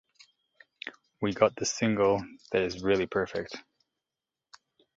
We got the single that is really perfect.